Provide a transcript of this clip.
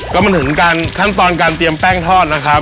ก็มันถึงการขั้นตอนการเตรียมแป้งทอดนะครับ